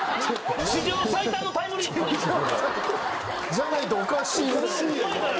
じゃないとおかしいぐらい。